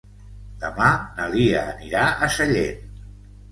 Demà na Lia anirà a Sellent.